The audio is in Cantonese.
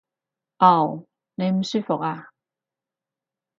嗷！你唔舒服呀？